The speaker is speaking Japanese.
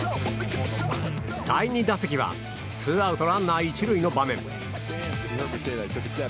第２打席はツーアウトランナー１塁の場面。